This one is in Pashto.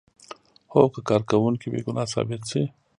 هو که کارکوونکی بې ګناه ثابت شي.